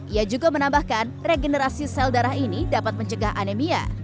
ia juga menambahkan regenerasi sel darah ini dapat mencegah anemia